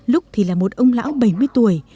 lúc thì là một ông lão bảy mươi tuổi